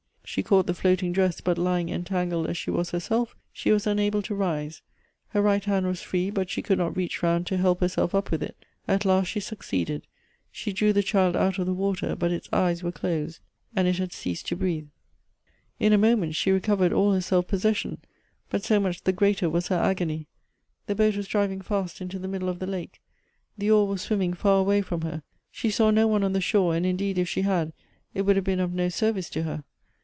She caught the floating dress, but lying entangled as she was herself, she was unable to rise. Her right hand was free, but she could not reach round to help herself up with it ; at last she succeeded. She drew the child out of the water ; but its eyes were closed, and it had ceased to breathe. 280 G O B T H E ' s In a moment she recovered all her self possession ; bwt so much the greater was her agony; the boat was driving fast into the middle of the lake ; the oar was swimming far away from her. She saw no one on the shore ; and, indeed, if she had, it would have been of no service to her.